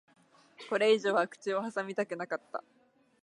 これ以上は口を挟みたくなかった。